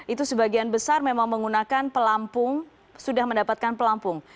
itu sebagian besar memang menggunakan pelampung sudah mendapatkan pelampung